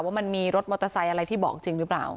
ว่ามันมีรถมอเตอร์ไซค์อะไรที่บอกจริงหรือเปล่า